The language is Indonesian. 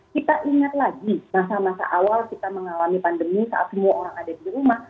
kita ingat lagi masa masa awal kita mengalami pandemi saat semua orang ada di rumah